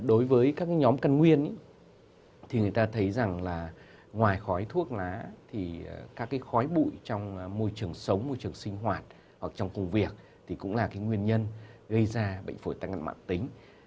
đối với các nhóm căn nguyên người ta thấy rằng ngoài khói thuốc lá các khói bụi trong môi trường sống môi trường sinh hoạt hoặc trong công việc cũng là nguyên nhân gây ra bệnh phổi tắc nghén mạng tính